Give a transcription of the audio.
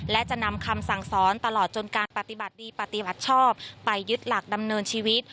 และจะนำคำสั่งสอนตลอดจนการปฏิบัติดีปฏิบัติชอบไปยึดหลักดำเนินชีวิต